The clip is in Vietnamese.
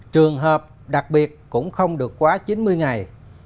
trường hợp đặc biệt cũng không được quá chín mươi ngày